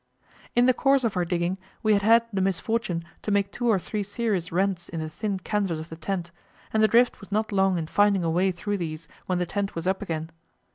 In the course of our digging we had had the misfortune to make two or three serious rents in the thin canvas of the tent, and the drift was not long in finding a way through these when the tent was up again.